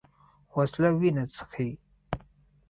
وسله وینه څښي